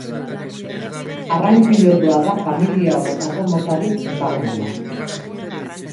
Arrain pilotua da familia honetako motarik ezagunena.